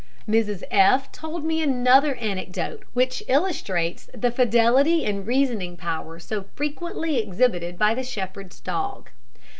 Mrs F told me another anecdote, which illustrates the fidelity and reasoning power so frequently exhibited by the shepherd's dog.